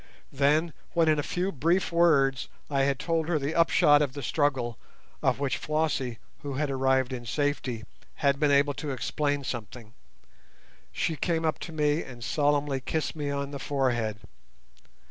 Then when in a few brief words I had told her the upshot of the struggle (of which Flossie, who had arrived in safety, had been able to explain something) she came up to me and solemnly kissed me on the forehead.